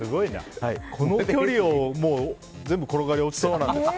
この距離を全部転がり落ちてるんだ。